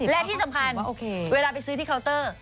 และที่สำคัญเวลาไปซื้อที่เคาน์เตอร์